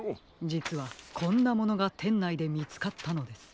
じつはこんなものがてんないでみつかったのです。